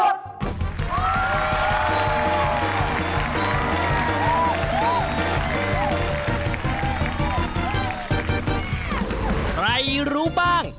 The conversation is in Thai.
ใครรู้บ้าง